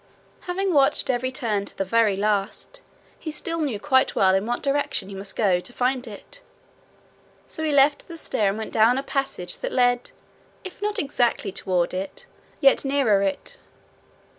Having watched every turn to the very last, he still knew quite well in what direction he must go to find it, so he left the stair and went down a passage that led, if not exactly toward it, yet nearer it.